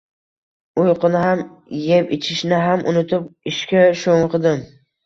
Uyquni ham, eb-ichishni ham unutib, ishga sho`ng`idim